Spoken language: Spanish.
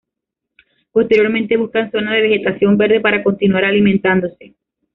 Posteriormente busca zonas de vegetación verde para continuar alimentándose.